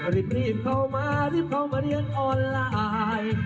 รีบเข้ามารีบเข้ามาเรียนออนไลน์